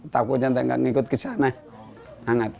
takutnya tidak mengikut ke sana